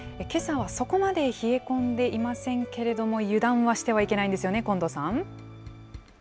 けさはそこまで冷え込んでいませんけれども、油断はしてはいけないんですよね、近藤さん。